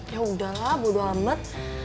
yaudah lah bodo amat